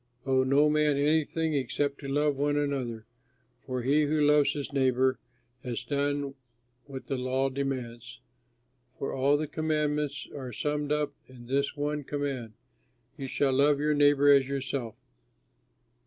Owe no man anything, except to love one another, for he who loves his neighbor has done what the law demands. For all the commandments are summed up in this one command: "You shall love your neighbor as yourself."